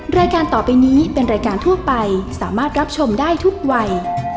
รายการต่อไปนี้เป็นรายการทั่วไปสามารถรับชมได้ทุกวัย